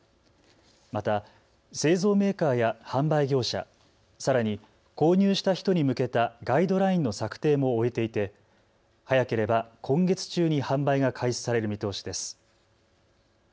また製造メーカーや販売業者、さらに購入した人に向けたガイドラインの策定も終えていて、早ければ今月中に販売が開始される見通しです。